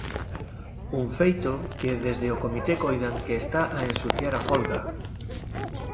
Un feito que desde o comité coidan que está a ensuciar a folga.